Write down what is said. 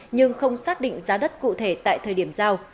nhưng không xác định giá đất cụ thể tại thời điểm giao